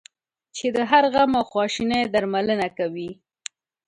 چې د هر غم او خواشینی درملنه کوي.